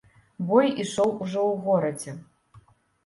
Бой ішоў ужо ў горадзе.